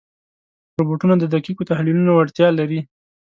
روبوټونه د دقیقو تحلیلونو وړتیا لري.